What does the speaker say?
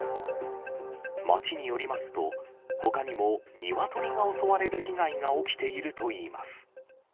町によりますと、ほかにもニワトリが襲われる被害が起きているといいます。